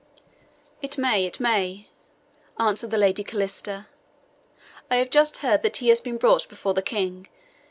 "It may, it may," answered the Lady Calista. "I have just heard that he has been brought before the King.